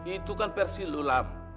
itu kan versi lulaf